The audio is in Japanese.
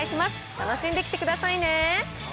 楽しんできてくださいね。